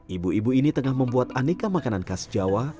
ibu ibu ini tengah membuat aneka makanan khas jawa